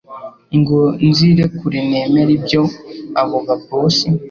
ngo nzirekure nemere ibyo abo ba boss